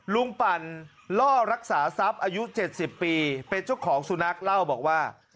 ปั่นล่อรักษาทรัพย์อายุ๗๐ปีเป็นเจ้าของสุนัขเล่าบอกว่า